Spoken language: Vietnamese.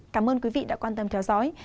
cảm ơn quý vị đã quan tâm theo dõi